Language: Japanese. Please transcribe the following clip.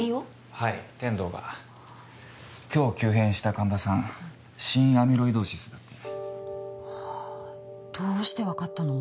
はい天堂が今日急変した神田さん心アミロイドーシスだってはあどうして分かったの？